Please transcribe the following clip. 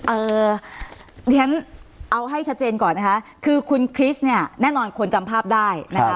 เอ่อเรียนเอาให้ชัดเจนก่อนนะคะคือคุณคริสเนี่ยแน่นอนคนจำภาพได้นะคะ